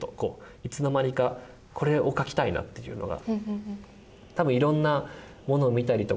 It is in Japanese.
いつの間にかこれを書きたいなっていうのが。